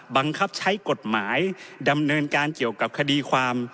บังคับใช้กฎหมายดำเนินการเกี่ยวกับคดีความ